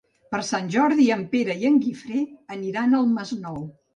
Per Sant Jordi en Pere i en Guifré aniran al Masnou.